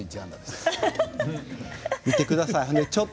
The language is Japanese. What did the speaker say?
見てください。